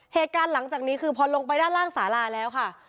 หลังจากนี้คือพอลงไปด้านล่างสาลาแล้วค่ะ